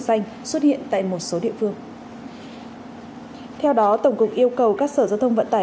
xanh xuất hiện tại một số địa phương theo đó tổng cục yêu cầu các sở giao thông vận tải